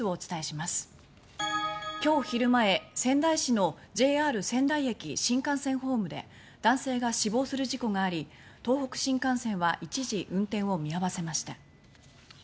今日昼前、仙台市のＪＲ仙台駅、新幹線ホームで男性が死亡する事故があり東北新幹線は一時運転を見合わせました。